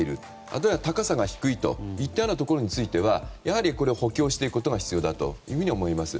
あるいは高さが低いといったようなところについてはやはり、補強していくことが必要だと思います。